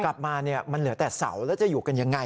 กลับมามันเหลือแต่เสาแล้วจะอยู่กันยังไง